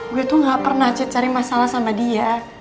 gue tuh gak pernah cari masalah sama dia